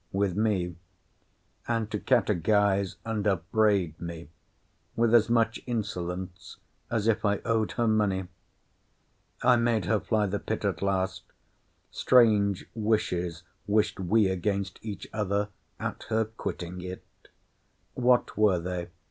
with me; and to catechize and upbraid me, with as much insolence as if I owed her money. I made her fly the pit at last. Strange wishes wished we against each other at her quitting it——What were they?